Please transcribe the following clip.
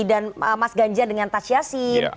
dan mas ganja dengan tas yassin